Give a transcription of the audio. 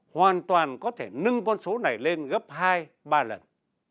hoàn toàn có thể nâng con số này lên gấp hai ba lần